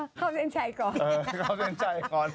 อ่าฮะเข้าเซ็นชัยก่อนเออเข้าเซ็นชัยก่อน